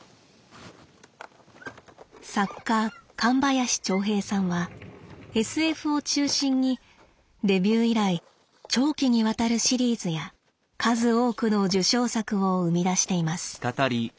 作家神林長平さんはＳＦを中心にデビュー以来長期にわたるシリーズや数多くの受賞作を生み出しています。